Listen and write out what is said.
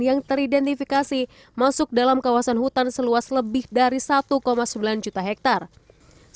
yang teridentifikasi masuk dalam kawasan hutan seluas lebih dari satu sembilan juta hektare